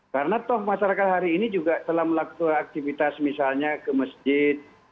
karena toh masyarakat hari ini juga telah melakukan aktivitas misalnya ke masjid